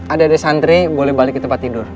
ada dari santri boleh balik ke tempat tidur